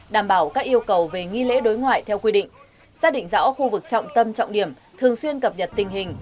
đảm bảo các yêu cầu về nghi lễ đối ngoại theo quy định xác định rõ khu vực trọng tâm trọng điểm thường xuyên cập nhật tình hình